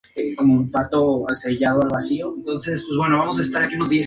Ocupó el cargo de maestro de capilla de la Capilla Real.